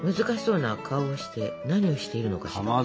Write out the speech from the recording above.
難しそうな顔をして何をしているのかしら？